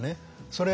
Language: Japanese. それ